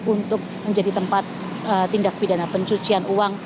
untuk menjadi tempat tindak pidana pencucian uang